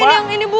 untuk yang ini bu